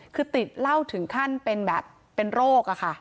คือติดเหล้าถึงขั้นเป็นแบบเป็นโรคอะค่ะ